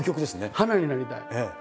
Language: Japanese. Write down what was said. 花になりたい。